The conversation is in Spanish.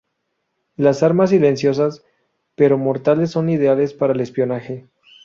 Las armas silenciosas, pero mortales son ideales para el espionaje.